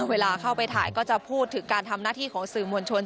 เวลาเข้าไปถ่ายก็จะพูดถึงการทำหน้าที่ของสื่อมวลชน